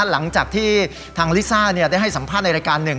หลังจากที่ทางลิซ่าได้ให้สัมภาษณ์ในรายการหนึ่ง